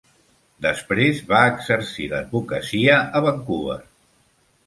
Després va exercir l'advocacia a Vancouver.